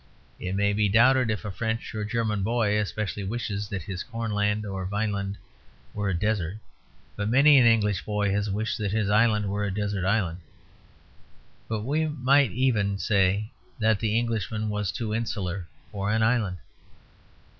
It may be doubted if a French or German boy especially wishes that his cornland or vineland were a desert; but many an English boy has wished that his island were a desert island. But we might even say that the Englishman was too insular for an island.